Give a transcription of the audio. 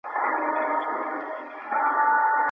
احترام بېځایه نه کېږي.